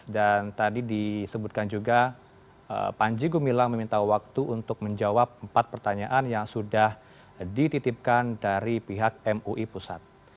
dan tadi disebutkan juga panji gumilang meminta waktu untuk menjawab empat pertanyaan yang sudah dititipkan dari pihak mui pusat